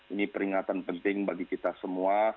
ini peringatan penting bagi kita semua